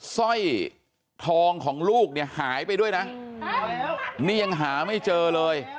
สร้อยทองของลูกเนี่ยหายไปด้วยนะนี่ยังหาไม่เจอเลย